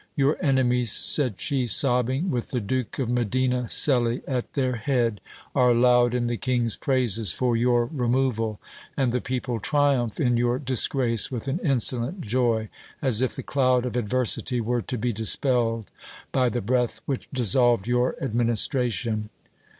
Your enemies, said she, sobbing, with the Duke of Medina Celi at their head, are loud in the king's praises for your removal ; and the people triumph in your disgrace with an insolent joy, as if the cloud of adversity were to be dispelled by the breath which dissolved your administration.